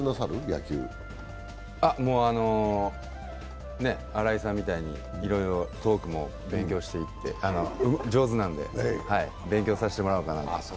野球新井さんみたいに、いろいろトークも勉強していって、上手なんで、勉強させてもらおうかなと思って。